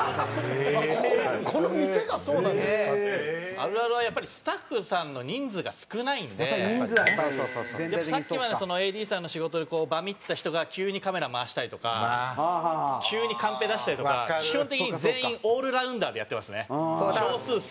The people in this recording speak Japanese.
あるあるはやっぱりスタッフさんの人数が少ないんでさっきまでＡＤさんの仕事でバミってた人が急にカメラ回したりとか急にカンペ出したりとか基本的に全員オールラウンダーでやってますね少数精鋭で。